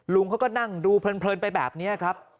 ลุงเขาก็นั่งดูเพลินไปแบบนี้ครับ